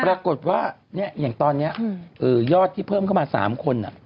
ปรากฏว่าอย่างตอนนี้ยอดที่เพิ่มเข้ามา๓คน